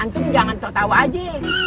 antum jangan tertawa aja